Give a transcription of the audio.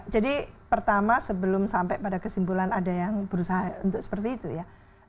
jadi pertama sebelum sampai pada kesimpulan ada yang berusaha untuk seperti itu ya